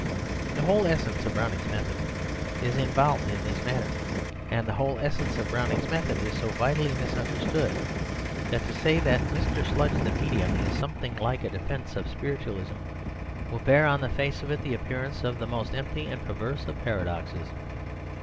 The whole essence of Browning's method is involved in this matter, and the whole essence of Browning's method is so vitally misunderstood that to say that "Mr. Sludge the Medium" is something like a defence of spiritualism will bear on the face of it the appearance of the most empty and perverse of paradoxes.